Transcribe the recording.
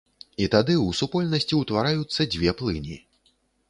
І тады ў супольнасці ўтвараюцца дзве плыні.